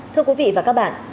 thưa quý vị và các bạn